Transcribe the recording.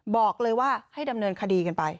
บอกเลยว่าให้ดำเนินคดีกันไป